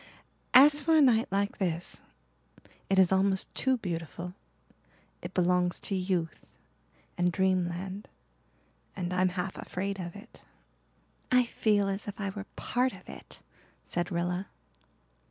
As for a night like this, it is almost too beautiful it belongs to youth and dreamland and I'm half afraid of it." "I feel as if I were part of it," said Rilla.